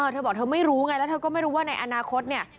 เธอบอกเธอไม่รู้ไงแล้วเธอก็ไม่รู้ว่าในอนาคตเนี่ย